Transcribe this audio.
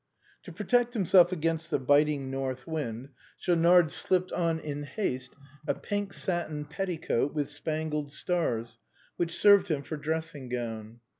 To protect himself against the biting north wind, Schau nard slipped on in haste a pink satin petticoat with spangled stars, which served him for dressing gown.